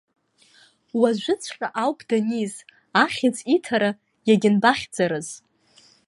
Уажәыҵәҟьа ауп даниз, ахьӡ иҭара иагьанбахьӡарыз!